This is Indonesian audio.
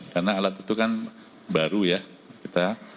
karena alat itu kan baru ya